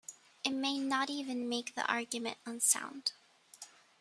It may not even make the argument unsound.